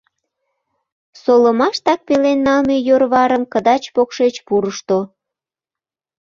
Солымаштак пелен налме йӧрварым кыдач-покшеч пурышто.